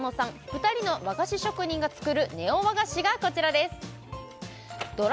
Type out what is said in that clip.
２人の和菓子職人が作るネオ和菓子がこちらです